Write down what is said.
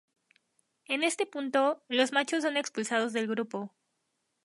En este punto, los machos son expulsados del grupo.